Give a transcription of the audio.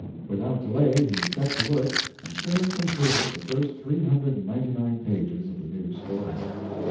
Without delay he set to work and soon completed the first three hundred and ninety nine pages of the new story.